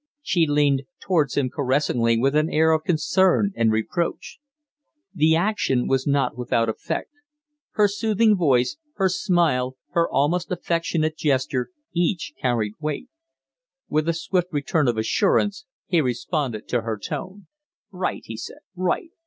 She leaned towards him caressingly with an air of concern and reproach. The action was not without effect. Her soothing voice, her smile, her almost affectionate gesture, each carried weight. With a swift return of assurance he responded to her tone. "Right!" he said. "Right!